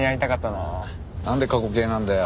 なんで過去形なんだよ？